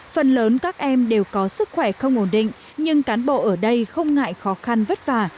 phần lớn các em đều có sức khỏe không ổn định nhưng cán bộ ở đây không ngại khó khăn vất vả